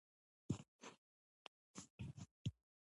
روژه ډیره مبارکه میاشت ده